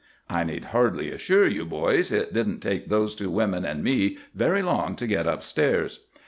"I need hardly assure you, boys, it didn't take those two women and me very long to get up stairs.